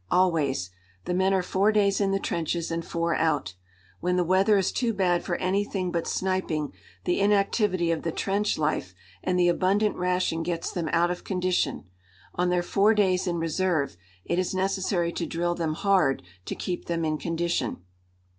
"Always. The men are four days in the trenches and four out. When the weather is too bad for anything but sniping, the inactivity of the trench life and the abundant ration gets them out of condition. On their four days in reserve it is necessary to drill them hard to keep them in condition."